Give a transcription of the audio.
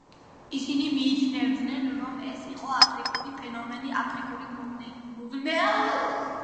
ისინი მიიჩნევდნენ რომ ეს იყო აფრიკული ფენომენი, აფრიკული მოვლენა.